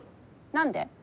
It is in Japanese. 何で？